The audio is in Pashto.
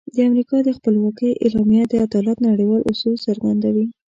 د امریکا د خپلواکۍ اعلامیه د عدالت نړیوال اصول څرګندوي.